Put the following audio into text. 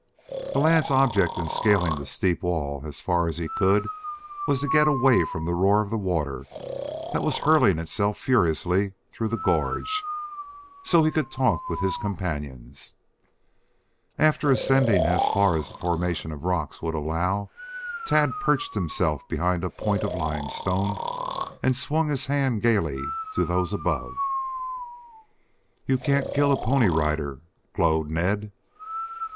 The lad's object in scaling the steep wall as far as he could was to get away from the roar of the water that was hurling itself furiously through the gorge, so he could talk with his companions. After ascending as far as the formation of the rocks would allow, Tad perched himself behind a point of limestone and swung his hand gayly to those above. "You can't kill a Pony Rider," glowed Ned.